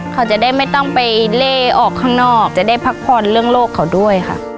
เขาจะได้ไม่ต้องไปเล่ออกข้างนอกจะได้พักผ่อนเรื่องโลกเขาด้วยค่ะ